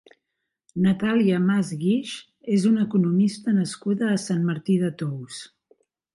Natàlia Mas Guix és una economista nascuda a Sant Martí de Tous.